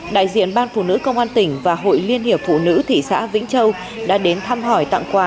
đại diện ban phụ nữ công an tỉnh và hội liên hiệp phụ nữ thị xã vĩnh châu đã đến thăm hỏi tặng quà